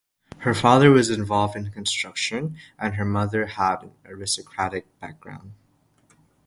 Her father was involved in construction and her mother had an aristocratic background.